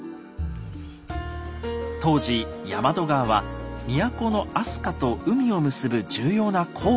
当時大和川は都の飛鳥と海を結ぶ重要な航路でした。